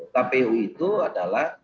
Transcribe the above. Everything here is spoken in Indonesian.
kpu itu adalah